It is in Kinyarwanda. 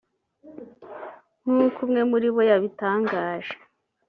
nk’uko umwe muri bo yabitangaje